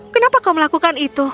kenapa kau melakukan itu